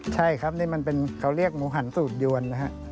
ใช่ครับนี่มันเป็นเขาเรียกหมูหันสูตรยวนนะฮะ